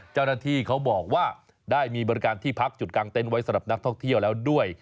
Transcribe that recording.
เจ้าหน้าที่เขาบอกว่าได้มีบริการที่พักจุดกลางเต็นต์ไว้สำหรับนักท่องเที่ยวแล้วด้วย